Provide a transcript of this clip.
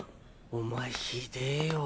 お前ひでぇよ。